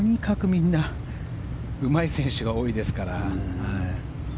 みんなうまい選手が多いですから。